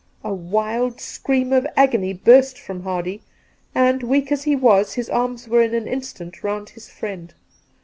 A wild scream of agony burst from Hardy, and, weak as he was, his arms were in an instant round his friend.